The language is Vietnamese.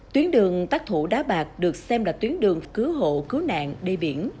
tuyến đường tác thủ đá bạc được xem là tuyến đường cứu hộ cứu nạn đê biển